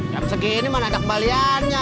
yang segini mana ada kembaliannya